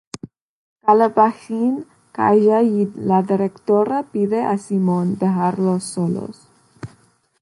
Calabacín calla y la directora pide a Simón dejarlos solos.